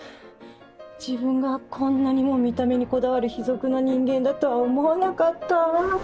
自分がこんなにも見た目にこだわる卑俗な人間だとは思わなかった。